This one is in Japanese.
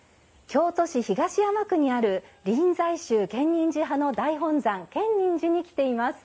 京都市東山区にある臨済宗建仁寺派の大本山建仁寺に来ています。